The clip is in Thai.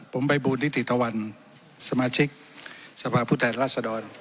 ผมไปบูทนิติฏวรรณสมาชิกสภาพุทธแห่งราชดร